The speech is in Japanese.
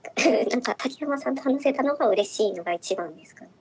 何か竹山さんと話せたのがうれしいのが一番ですかね。